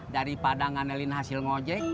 daripada ngane lin hasil ngojek